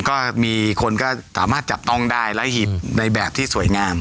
ก็มีคนก็สามารถจับต้องได้และหีบในแบบที่สวยงาม